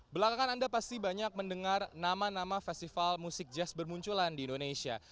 belakangan anda pasti banyak mendengar nama nama festival musik jazz bermunculan di indonesia